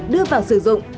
đưa vào sử dụng